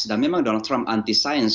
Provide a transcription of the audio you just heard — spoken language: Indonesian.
dan memang donald trump anti sains